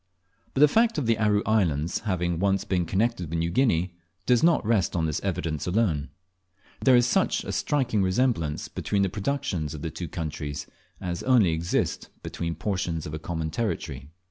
But the fact of the Aru Islands having once been connected with New Guinea does not rest on this evidence alone. There is such a striking resemblance between the productions of the two countries as only exists between portions of a common territory.